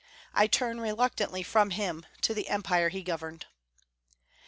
I turn reluctantly from him to the Empire he governed.